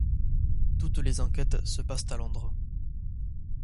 Toutes les enquêtes se passent à Londres.